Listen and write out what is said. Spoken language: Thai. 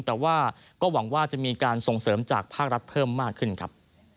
แต่ว่าก็หวังว่าจะมีการส่งเสริมจากภาครัฐเพิ่มมากขึ้นครับ